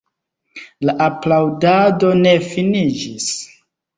La aplaŭdado ne finiĝis.